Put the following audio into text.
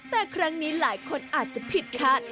แต่ครั้งนี้หลายคนอาจจะผิดคาด